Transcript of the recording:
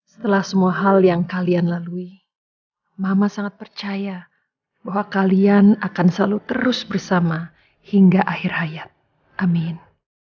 setelah semua hal yang kalian lalui mama sangat percaya bahwa kalian akan selalu terus bersama hingga akhir hayat amin